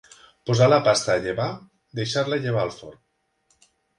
Posar la pasta a llevar, deixar-la llevar al forn.